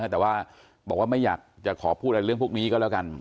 แต่ว่าบอกว่าไม่อยากจะขอพูดอะไรเรื่องพวกนี้ก็แล้วกัน